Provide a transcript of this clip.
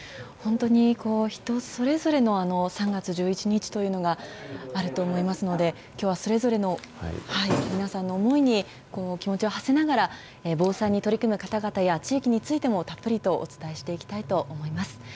本当に人それぞれの３月１１日というのがあると思いますので、きょうはそれぞれの皆さんの思いに気持ちを馳せながら、防災に取り組む方々や、地域についても、たっぷりとお伝えしていきたいと思います。